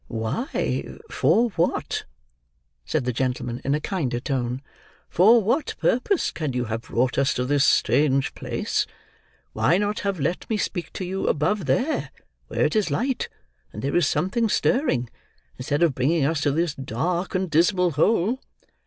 "Why, for what," said the gentleman in a kinder tone, "for what purpose can you have brought us to this strange place? Why not have let me speak to you, above there, where it is light, and there is something stirring, instead of bringing us to this dark and dismal hole?"